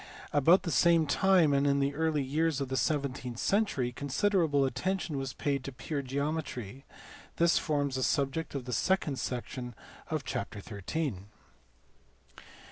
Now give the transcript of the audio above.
About the same time and in the early years of the seventeenth century considerable attention was paid to pure geometry : this forms the subject of the second section of chapter xin.